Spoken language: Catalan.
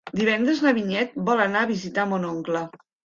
Divendres na Vinyet vol anar a visitar mon oncle.